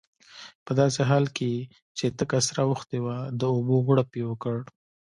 په داسې حال کې چې تکه سره اوښتې وه د اوبو غړپ یې وکړ.